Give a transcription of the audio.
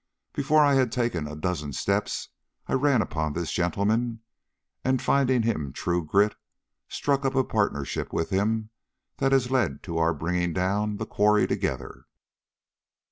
Before I had taken a dozen steps I ran upon this gentleman, and, finding him true grit, struck up a partnership with him that has led to our bringing down the quarry together."